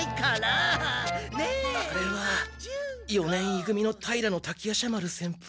あれは四年い組の平滝夜叉丸先輩。